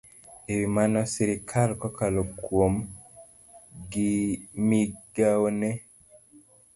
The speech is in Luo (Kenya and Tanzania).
E wi mano, sirkal kokalo kuom migawone